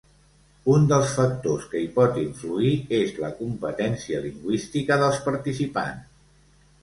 Un dels factors que hi pot influir és la competència lingüística dels participants.